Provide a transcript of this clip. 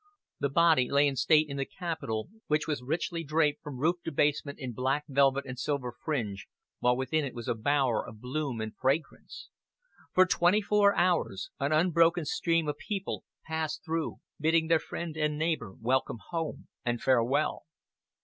The body lay in state in the Capitol, which was richly draped from roof to basement in black velvet and silver fringe, while within it was a bower of bloom and fragrance. For twenty four hours an unbroken stream of people passed through, bidding their friend and neighbor welcome home and farewell.